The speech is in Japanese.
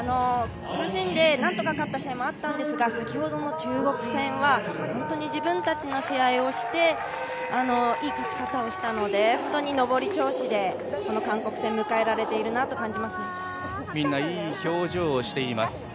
苦しんでなんとか勝った試合もあったんですが、先ほどの中国戦は本当に自分たちの試合をしていい勝ち方をしたので、本当に上り調子で韓国戦を迎えられているなと感じます。